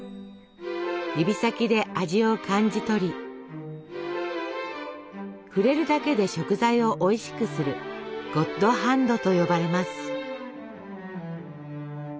指先で味を感じ取り触れるだけで食材をおいしくする「ゴッドハンド」と呼ばれます。